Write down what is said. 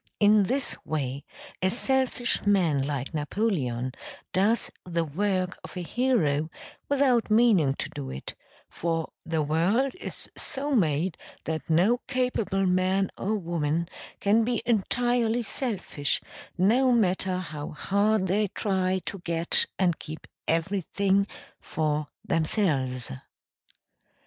In this way a selfish man like Napoleon does the work of a hero without meaning to do it: for the world is so made that no capable man or woman can be entirely selfish, no matter how hard they try to get and keep everything for themselves.